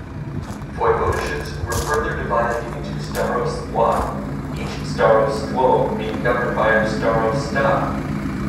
Voivodeships were further divided into "starostwa", each "starostwo" being governed by a "starosta".